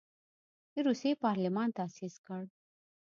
د روسیې پارلمان تاسیس کړ.